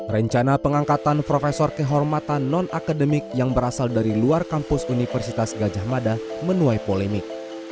rencana pengangkatan profesor kehormatan non akademik yang berasal dari luar kampus universitas gajah mada menuai polemik